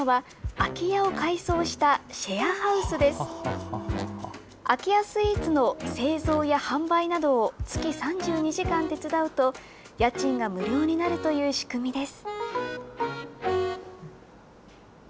空き家スイーツの製造や販売などを月３２時間手伝うと、家賃が無料になるという仕組みです。